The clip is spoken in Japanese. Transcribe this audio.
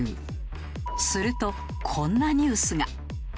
するとこんなニュースが。